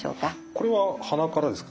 これは鼻からですか？